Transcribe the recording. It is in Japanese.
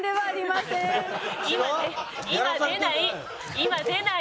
今出ない！